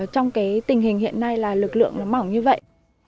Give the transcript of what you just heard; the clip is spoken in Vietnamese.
trong tình hình hiện nay là lực lượng mỏng như vậy